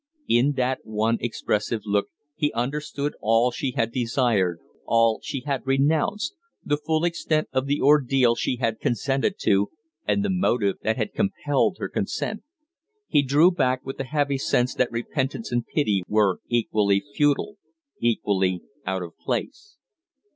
In that one expressive look he understood all she had desired, all she had renounced the full extent of the ordeal she had consented to, and the motive that had compelled her consent. He drew back with the heavy sense that repentance and pity were equally futile equally out of place.